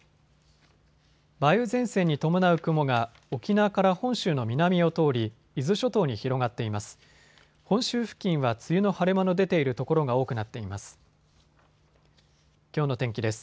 梅雨前線に伴う雲が沖縄から本州の南を通り伊豆諸島に広がっています。